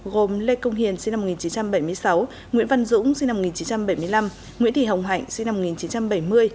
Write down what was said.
gồm lê công hiền sinh năm một nghìn chín trăm bảy mươi sáu nguyễn văn dũng sinh năm một nghìn chín trăm bảy mươi năm nguyễn thị hồng hạnh sinh năm một nghìn chín trăm bảy mươi